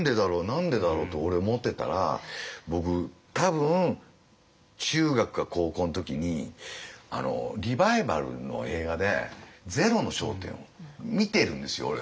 何でだろう？って俺思ってたら僕多分中学か高校の時にリバイバルの映画で「ゼロの焦点」を見てるんですよ俺。